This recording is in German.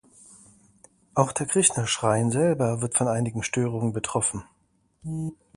Auch der Krishna Shrine selber wird von einigen Störungen betroffen.